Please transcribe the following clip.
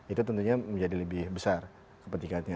itu tentunya menjadi lebih besar kepentingannya